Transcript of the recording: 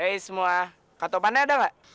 hei semua kak topannya ada gak